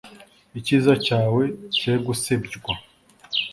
Icyiza cyawe cye gusebywa